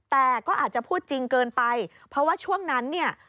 แต่ก็อาจจะพูดจริงเกินไปเพราะว่าช่วงนั้นเนี่ย